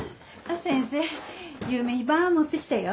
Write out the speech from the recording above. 先生夕飯ば持ってきたよ。